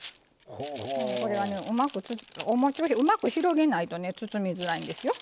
これはねうまく広げないとね包みづらいんですよ。